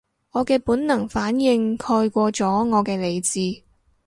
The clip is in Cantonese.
我嘅本能反應蓋過咗我嘅理智